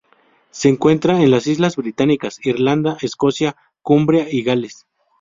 Se encuentran en las Islas Británicas: Irlanda, Escocia, Cumbria y Gales.